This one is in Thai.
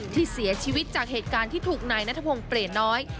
ที่เสียชีวิตจากเหตุการณ์ที่ถูกนายนัทพงศ์เปลี่ยนน้อย